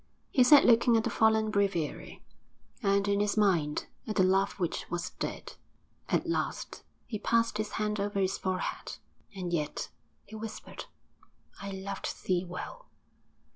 He sat looking at the fallen breviary, and, in his mind, at the love which was dead. At last he passed his hand over his forehead. 'And yet,' he whispered, 'I loved thee well!'